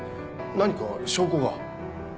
何か証拠が？